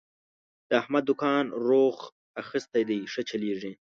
د احمد دوکان روخ اخستی دی، ښه چلېږي.